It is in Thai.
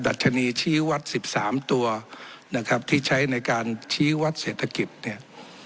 ัชนีชี้วัด๑๓ตัวนะครับที่ใช้ในการชี้วัดเศรษฐกิจเนี่ย